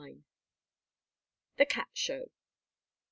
THE CAT SHOW.